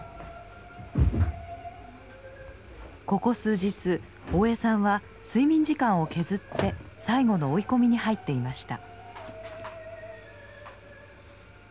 ここ数日大江さんは睡眠時間を削って最後の追い込みに入っていました。